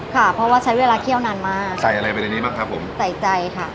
ค่ะเพราะว่าใช้เวลาเคี่ยวนานมากใส่อะไรไปในนี้บ้างครับผมใส่ใจค่ะ